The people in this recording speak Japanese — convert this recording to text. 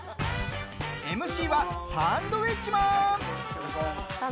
ＭＣは、サンドウィッチマン。